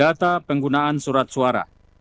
data penggunaan surat suara